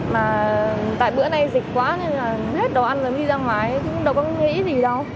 mà tại bữa nay dịch quá nên là hết đồ ăn rồi em đi ra ngoài thì cũng đâu có nghĩ gì đâu